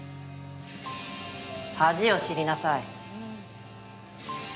恥を知りなさい。